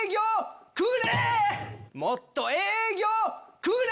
もっと営業くれ！